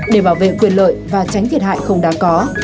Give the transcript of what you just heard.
để bảo vệ quyền lợi và tránh thiệt hại không đáng có